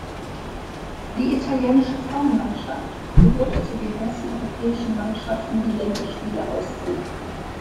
Die italienische Frauenmannschaft gehörte zu den ersten europäischen Mannschaften, die Länderspiele austrug.